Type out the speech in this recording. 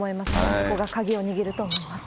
そこが鍵を握ると思います。